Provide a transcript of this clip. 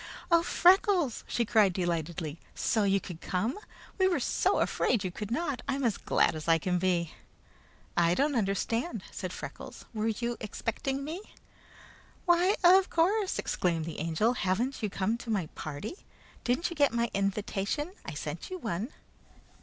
"Oh Freckles!" she cried delightedly. "So you could come? We were so afraid you could not! I'm as glad as I can be!" "I don't understand," said Freckles. "Were you expecting me?" "Why of course!" exclaimed the Angel. "Haven't you come to my party? Didn't you get my invitation? I sent you one."